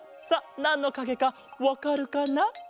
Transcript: さあなんのかげかわかるかな？